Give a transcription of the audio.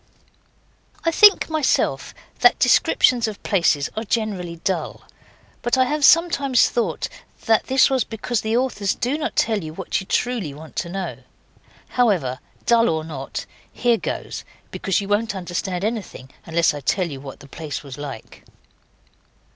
I think myself that descriptions of places are generally dull, but I have sometimes thought that was because the authors do not tell you what you truly want to know. However, dull or not, here goes because you won't understand anything unless I tell you what the place was like.